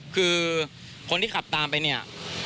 คือคนที่ขับตามไปเนี่ย